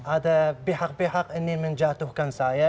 ada pihak pihak ini menjatuhkan saya